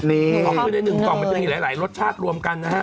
ของขึ้นในหนึ่งกล่องมันจะมีหลายรสชาติรวมกันนะฮะ